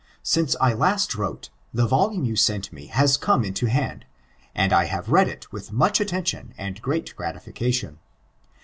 Since I wrote last, the volume yon sent me has come to hand, and I have read it with moch attention ud great gratification.